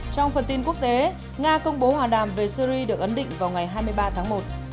trong phần tin quốc tế nga công bố hòa đàm về syri được ấn định vào ngày hai mươi ba tháng một